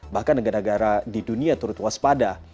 bahkan negara negara di dunia turut waspada